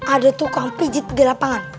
ada tukang pijit di lapangan